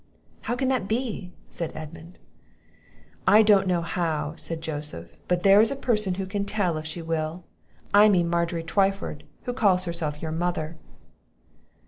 "How can that be," said Edmund? "I don't know how," said Joseph; "but there is a person who can tell if she will; I mean Margery Twyford, who calls herself your mother."